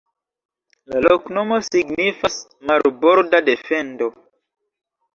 La loknomo signifas: "Marborda defendo".